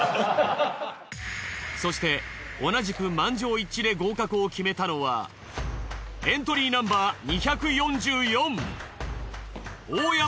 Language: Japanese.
そして同じく満場一致で合格を決めたのはエントリーナンバー２４４。